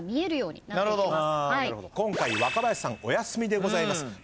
今回若林さんお休みでございます。